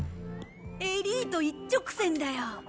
エリート一直線だよ。